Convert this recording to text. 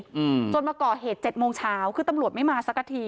อืมจนมาก่อเหตุเจ็ดโมงเช้าคือตำรวจไม่มาสักที